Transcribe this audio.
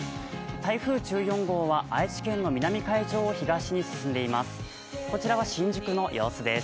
台風１４号は愛知県の南海上を東に進んでいます。